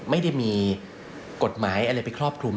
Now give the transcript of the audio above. ไม่ได้มีกฎหมายอะไรไปครอบคลุม